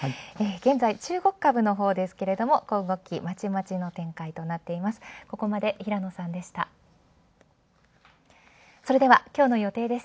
現在中国株のほうですけども、まちまちの展開となっています。